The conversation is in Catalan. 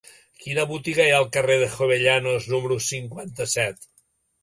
Quina botiga hi ha al carrer de Jovellanos número cinquanta-set?